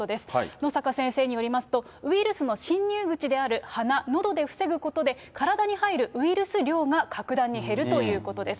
野阪先生によりますと、ウイルスの侵入口である鼻、のどで防ぐことで、体に入るウイルス量が格段に減るということです。